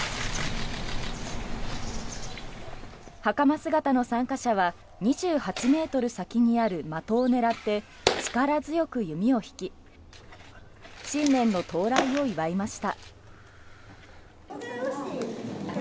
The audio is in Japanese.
袴姿の参加者は２８ｍ先にある的を狙って力強く弓を引き新年の到来を祝いました。